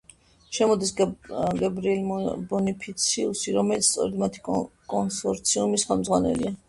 შემოდის გებრიელ ბონიფაციუსი, რომელიც სწორედ მათი კონსორციუმის ხელმძღვანელია.